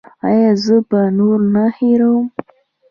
ایا زه به نور نه هیروم؟